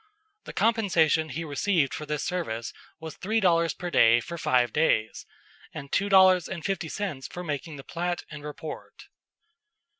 The compensation he received for this service was three dollars per day for five days, and two dollars and fifty cents for making the plat and report.